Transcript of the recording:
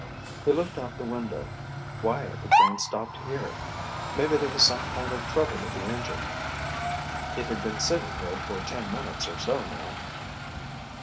He looked out the window. Why had the train stopped here? Maybe there was some kind of trouble with the engine. It had been sitting here for ten minutes or so now.